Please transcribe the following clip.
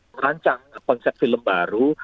merancang konsep film baru